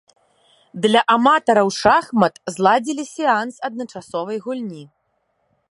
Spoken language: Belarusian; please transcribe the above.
Для аматараў шахмат зладзілі сеанс адначасовай гульні.